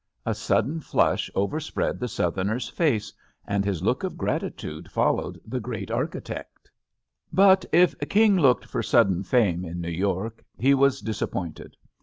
A sudden flush overspread the Southerner's face and his look of gratitude followed the great architect. But if King looked for sudden fame in New York, he was disappointed.